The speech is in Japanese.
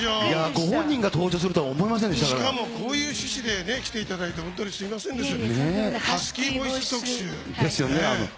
ご本人が登場するとは思いましかもこういう趣旨で来ていただいて、本当にすみませんでした。